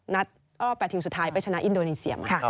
รอบ๘ทีมสุดท้ายไปชนะอินโดนีเซียมา